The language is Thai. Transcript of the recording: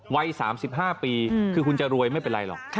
วัย๓๕ปีคือคุณจะรวยไม่เป็นไรหรอก